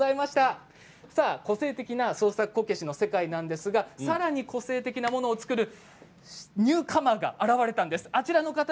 個性的な創作こけしの世界なんですがさらに個性的なものを作るニューカマーが現れたんです。